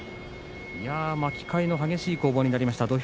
巻き替えの激しい攻防になりました。